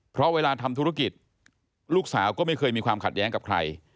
เพราะเวลาทำธุรกิจลูกสาวก็ไม่เคยมีความขัดแย้งกับใคร